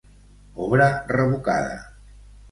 Obra revocada.